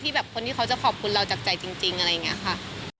แบบคนที่เขาจะขอบคุณเราจากใจจริงอะไรอย่างนี้ค่ะ